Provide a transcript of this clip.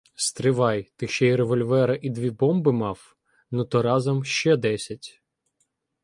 — Стривай, ти ще й револьвера і дві бомби мав? Ну то разом — ще десять!